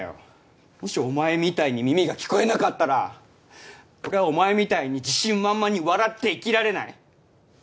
もしお前みたいに耳が聞こえなかったら俺はお前みたいに自信満々に笑って生きられない！